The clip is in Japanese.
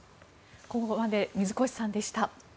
ここまで水越さんでした。